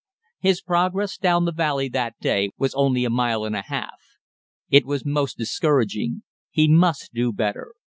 His progress down the valley that day was only a mile and a half. It was most discouraging. He must do better.